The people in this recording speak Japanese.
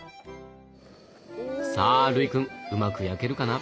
さあ琉くんうまく焼けるかな？